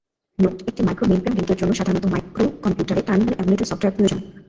Note: একটি micro- mainframe লিংকের জন্য সাধারণত মাইক্রোকম্পিউটারে টার্মিনাল এমুলেটর সফটওয়্যার প্রয়োজন।